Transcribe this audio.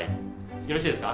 よろしいですか？